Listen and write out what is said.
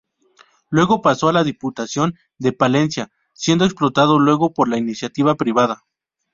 Luego paso a la Diputación de Palencia, siendo explotado luego por la iniciativa privada.